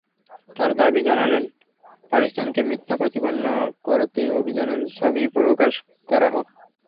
তাঁরা দাবি জানালেন, পাকিস্তানকে মিথ্যা প্রতিপন্ন করতে অভিযানের ছবি প্রকাশ করা হোক।